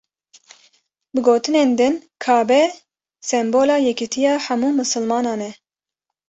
Bi gotinên din Kabe sembola yekîtiya hemû misilmanan e.